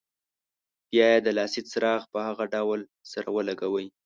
بیا یې د لاسي چراغ په هغه ډول سره ولګوئ.